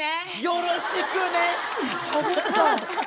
「よろしくね」！？